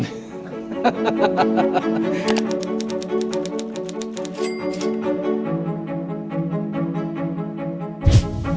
โปรดติดตามตอนต่อไป